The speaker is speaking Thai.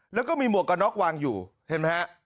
แล้วก็มีหมวกกระน็อกวางอยู่เห็นไหมฮะ